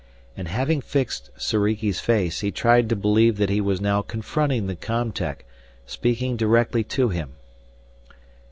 And having fixed Soriki's face, he tried to believe that he was now confronting the com tech, speaking directly to him.